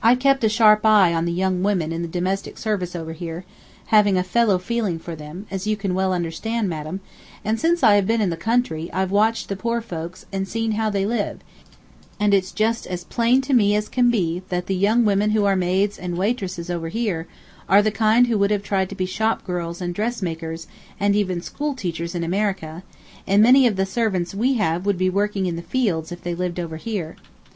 I've kept a sharp eye on the young women in domestic service over here, having a fellow feeling for them, as you can well understand, madam, and since I have been in the country I've watched the poor folks and seen how they live, and it's just as plain to me as can be that the young women who are maids and waitresses over here are the kind who would have tried to be shop girls and dressmakers and even school teachers in America, and many of the servants we have would be working in the fields if they lived over here.